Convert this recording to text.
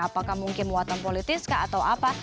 apakah mungkin muatan politis kah atau apa